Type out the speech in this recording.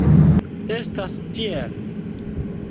Estas tiel?